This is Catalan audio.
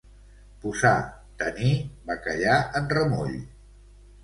Posar, tenir, bacallà en remull.